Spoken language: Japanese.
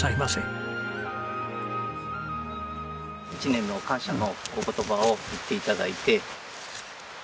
一年の感謝のお言葉を言って頂いて。